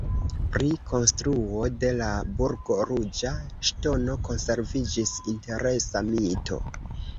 Pri konstruo de la burgo Ruĝa Ŝtono konserviĝis interesa mito.